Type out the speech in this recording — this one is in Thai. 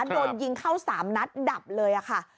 โดนยิงเข้า๓นัดดับเลยค่ะ